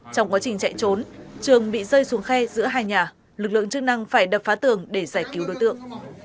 trong quá trình chạy trốn trường bị rơi xuống khe giữa hai nhà lực lượng chức năng phải đập phá tường để giải cứu đối tượng